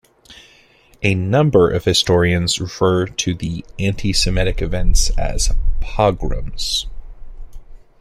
A number of historians refer to the antisemitic events as "pogroms".